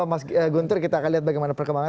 mas guntur kita akan lihat bagaimana perkembangan